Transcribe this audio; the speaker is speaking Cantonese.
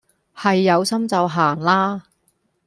係有心就行啦